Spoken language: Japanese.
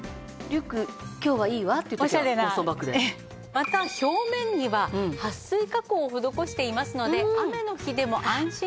また表面にははっ水加工を施していますので雨の日でも安心です。